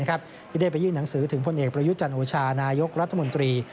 ที่ได้ไปยื่นหนังสือถึงพลเอกประยุจันโอชานายกรัฐมนตรี